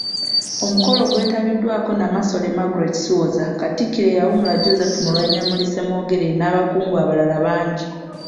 Omukolo gwetabiddwako Namasole Margaret Siwoza, Katikkiro eyawummula Joseph Mulwannyammuli Ssemwogerere, n'abakungu abalala bangi.